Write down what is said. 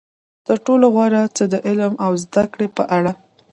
تر ټولو غوره څه د علم او زده کړې په اړه.